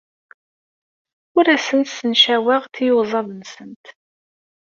Ur asent-ssencaweɣ tiyuzaḍ-nsent.